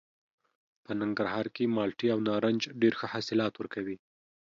په ننګرهار کې مالټې او نارنج ډېر ښه حاصل ورکوي.